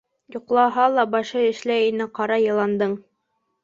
Йоҡлаһа ла, башы эшләй ине ҡара йыландың.